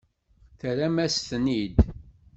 Terram-as-tent-id.